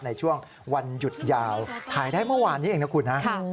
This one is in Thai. ในช่วงวันหยุดยาวถ่ายได้เมื่อวานนี้เองนะคุณนะ